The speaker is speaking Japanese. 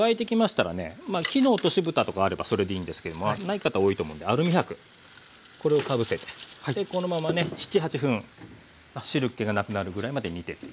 木の落としぶたとかあればそれでいいんですけどもない方多いと思うんでアルミ箔これをかぶせてこのままね７８分汁けがなくなるぐらいまで煮てっていきましょうね。